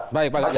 baik pak ganjar